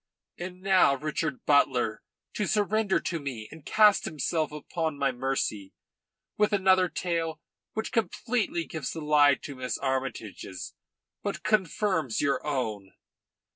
And now comes Richard Butler to surrender to me and cast himself upon my mercy with another tale which completely gives the lie to Miss Armytage's, but confirms your own."